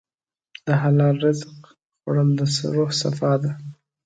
د حلال رزق خوړل د روح صفا ده.